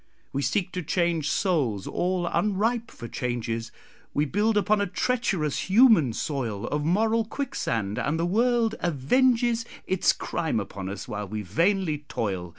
We seek to change souls all unripe for changes; We build upon a treacherous human soil Of moral quicksand, and the world avenges Its crime upon us, while we vainly toil.